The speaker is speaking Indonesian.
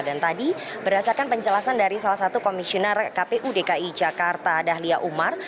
dan tadi berdasarkan penjelasan dari salah satu komisioner kpu dki jakarta dahlia umar